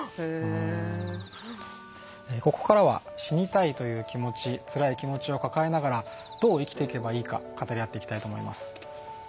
ここからは死にたいという気持ちつらい気持ちを抱えながらどう生きていけばいいか語り合っていきたいと思います。